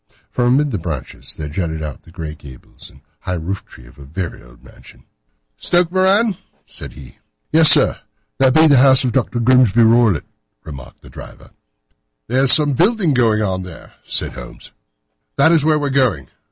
From amid the branches there jutted out the grey gables and high roof tree of a very old mansion. "Stoke Moran?" said he. "Yes, sir, that be the house of Dr. Grimesby Roylott," remarked the driver. "There is some building going on there," said Holmes; "that is where we are going."